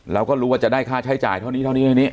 แล้วก็รู้ว่าจะได้ค่าใช้จ่ายเท่านี้เท่านี้